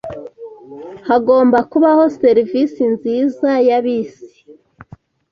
Hagomba kubaho serivisi nziza ya bisi.